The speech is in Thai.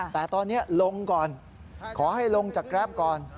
แต่ตอนนี้ลงก่อนขอให้ลงจากแกรปก่อน